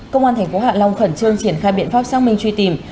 công an thành phố hạ long khẩn trương triển khai biện pháp sang mình truy tìm